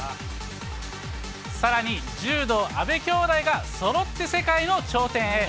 さらに、柔道、阿部きょうだいがそろって世界の頂点へ。